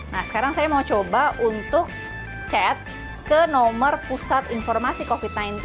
nah sekarang saya mau coba untuk chat ke nomor pusat informasi covid sembilan belas